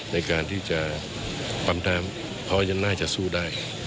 ในการที่จะปรับน้ำพอยังน่าจะสู้ได้